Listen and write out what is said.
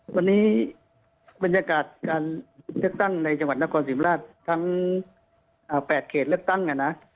วันนี้บรรยากาศการเลือกตั้งในจังหวัดนครสิริมราชทั้งเอ่อแปดเขตเลือกตั้งอ่ะน่ะ